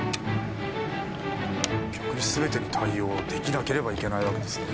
逆に全てに対応できなければいけないわけですね。